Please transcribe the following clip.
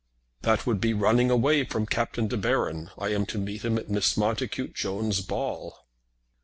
"That would be running away from Captain De Baron. I am to meet him at Mrs. Montacute Jones' ball."